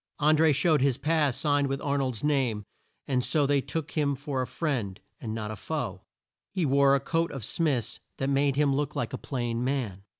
An dré showed his pass signed with Ar nold's name, and so they took him for a friend and not a foe. He wore a coat of Smith's that made him look like a plain man.